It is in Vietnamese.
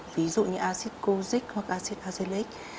ví dụ như acid cozic hoặc acid azelaic